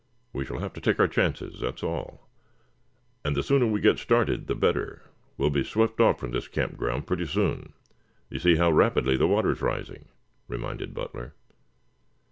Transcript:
"We shall have to take our chances, that's all. And the sooner we get started the better. We'll be swept off from this camp ground pretty soon. You see how rapidly the water is rising?" reminded Butler.